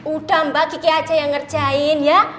udah mbak kiki aja yang ngerjain ya